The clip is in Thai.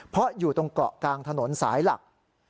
เพราะอยู่ตรงเกาะกลางถนนสายหลัก